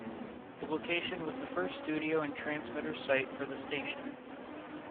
This location was the first studio and transmitter site for the station.